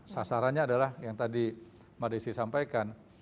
sasarannya adalah yang tadi marisi sampaikan